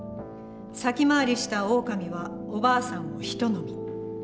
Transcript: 先回りしたオオカミはおばあさんをひと呑み。